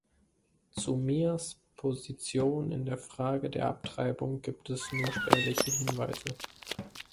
Zu Miers' Position in der Frage der Abtreibung gibt es nur spärliche Hinweise.